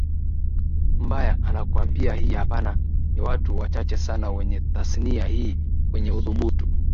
mbaya anakuambia hii hapana Ni watu wachache sana kwenye tasnia hii wenye uthubutu